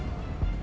yang lain teguh